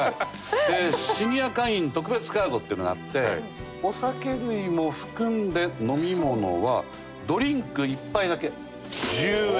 でシニア会員特別カードっていうのがあってお酒類も含んで飲み物はドリンク１杯だけ１０円。